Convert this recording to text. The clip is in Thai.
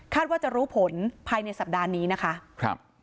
คาดว่าจะรู้ผลภายในสัปดาห์นี้นะคะ